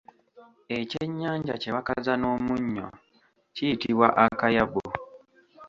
Ekyennyanja kye bakaza n'omunnyo kiyitibwa Akayabu.